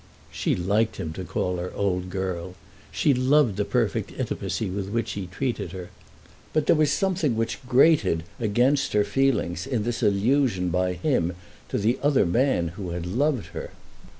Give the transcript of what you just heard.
She liked him to call her old girl. She loved the perfect intimacy with which he treated her. But there was something which grated against her feelings in this allusion by him to the other man who had loved her.